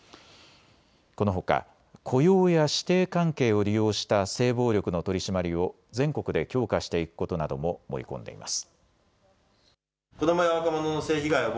このほか雇用や師弟関係を利用した性暴力の取締りを全国で強化していくことなども盛り込んでいます。